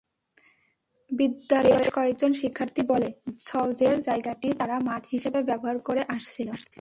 বিদ্যালয়ের বেশ কয়েকজন শিক্ষার্থী বলে, সওজের জায়গাটি তারা মাঠ হিসেবে ব্যবহার করে আসছিল।